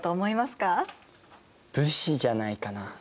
武士じゃないかな？